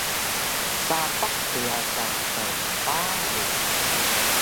sapah pyasan prparu